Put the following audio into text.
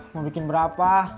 mau bikin berapa